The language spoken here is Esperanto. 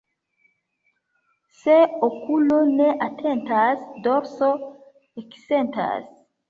Se okulo ne atentas, dorso eksentas.